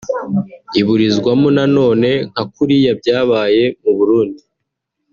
iburizwamo na none nka kuriya byabaye mu Burundi